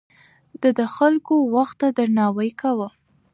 ده د خلکو وخت ته درناوی کاوه.